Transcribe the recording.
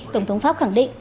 tổng thống pháp khẳng định